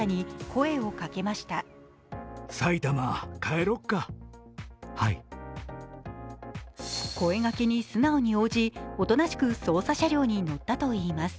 声がけに素直に応じおとなしく捜査車両に乗ったといいます。